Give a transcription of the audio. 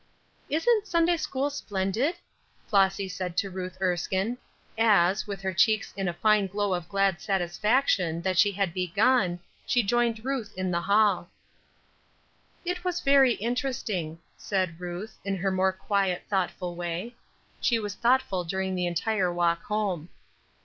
"Isn't Sunday school splendid?" Flossy said to Ruth Erskine, as, with her cheeks in a fine glow of glad satisfaction that she had "begun," she joined Ruth in the hall. "It was very interesting," said Ruth, in her more quiet, thoughtful way. She was thoughtful during the entire walk home.